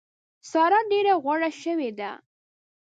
سارا ډېره غوړه شوې ده.